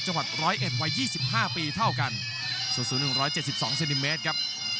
จังหวัดร้อยเอ็ดวัย๒๕ปีเท่ากันสู้สู้๑๗๒ซินิเมตรครับ